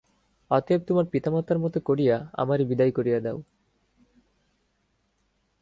অতএব তোমার পিতা মাতার মত করিয়া আমারে বিদায় করিয়া দাও।